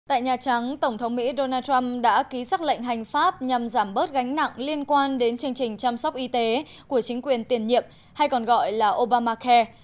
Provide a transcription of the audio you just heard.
tại nhà trắng tổng thống mỹ donald trump đã ký xác lệnh hành pháp nhằm giảm bớt gánh nặng liên quan đến chương trình chăm sóc y tế của chính quyền tiền nhiệm hay còn gọi là obamacare